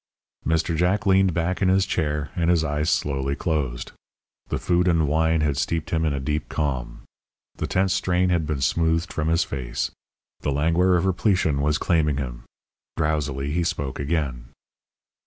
Mr. Jack leaned back in his chair, and his eyes slowly closed. The food and wine had steeped him in a deep calm. The tense strain had been smoothed from his face. The languor of repletion was claiming him. Drowsily he spoke again.